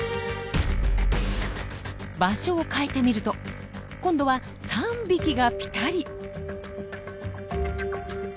場所を変えてみると今度は３匹がピタリ！